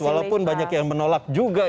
walaupun banyak yang menolak juga ya